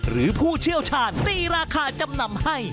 ผู้เชี่ยวชาญตีราคาจำนำให้